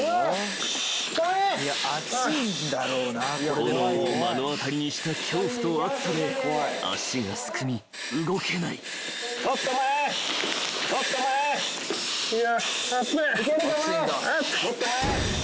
［炎を目の当たりにした恐怖と熱さで足がすくみ動けない］・行けるぞ前。